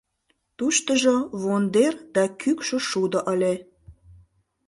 Туштыжо вондер да кӱкшӧ шудо ыле.